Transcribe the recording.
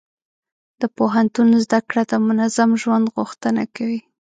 د پوهنتون زده کړه د منظم ژوند غوښتنه کوي.